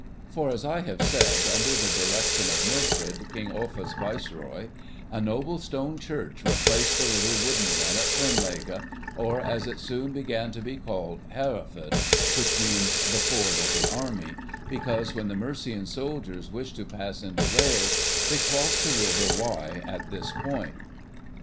For, as I have said, under the direction of Milfred, King Offa's Viceroy, a noble stone church replaced the little wooden one at Fernlege, or, as it soon began to be called, 'Hereford,' which means 'The Ford of the Army,' because, when the Mercian soldiers wished to pass into Wales, they crossed the River Wye at this point.